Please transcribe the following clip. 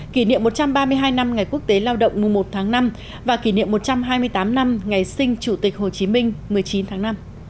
kỷ niệm một trăm ba mươi hai năm ngày quốc tế lao động mùa một tháng năm và kỷ niệm một trăm hai mươi tám năm ngày sinh chủ tịch hồ chí minh một mươi chín tháng năm